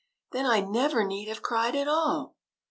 Then I never need have cried at all."